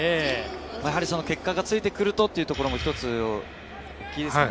結果がついてくるとっていうところも一つ大きいですよね。